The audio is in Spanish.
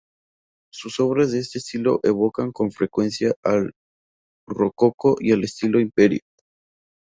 Sus obras de este estilo evocan con frecuencia al rococó y al Estilo Imperio.